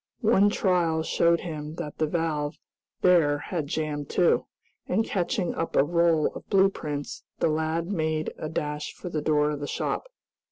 One trial showed him that the valve there had jammed too, and catching up a roll of blue prints the lad made a dash for the door of the shop.